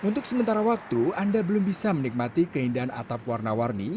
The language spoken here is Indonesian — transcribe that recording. untuk sementara waktu anda belum bisa menikmati keindahan atap warna warni